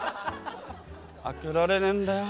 「開けられねんだよ」。